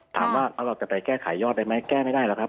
ถามว่าแล้วเราจะไปแก้ไขยอดได้ไหมแก้ไม่ได้หรอกครับ